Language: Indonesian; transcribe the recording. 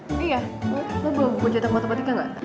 ini ya lo bawa buku cetak matematika ga